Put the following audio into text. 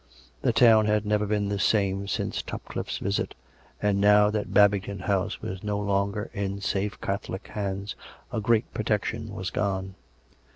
The town had never been the same since Topcliffe's visit; and now that Babing ton House was no longer in safe Catholic hands, a great protection was gone.